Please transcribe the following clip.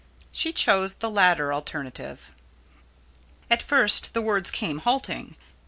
She choose the latter alternative. At first the words came halting.